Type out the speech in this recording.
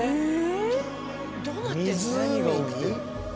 ⁉湖に？